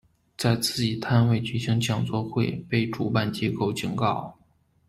在自己摊位举行讲座会被主办机构警告。